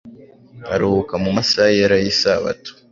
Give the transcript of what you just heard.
aruhuka mu masaha yera y'isabato.